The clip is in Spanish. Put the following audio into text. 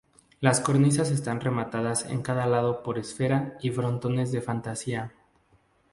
Las cornisas están rematadas en cada lado por esfera y frontones de fantasía.